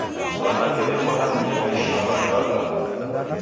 W'anake w'efwana kuneka ishima w'andu w'abaa.